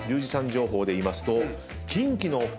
情報で言いますと。